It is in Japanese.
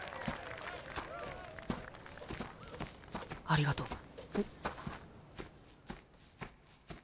ありがとう。え。